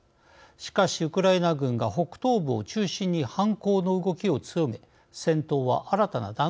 しかしウクライナ軍が北東部を中心に反攻の動きを強め戦闘は新たな段階に入りました。